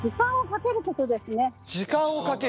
時間をかける？